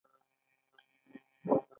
ورزش د بدن رګونه فعال ساتي.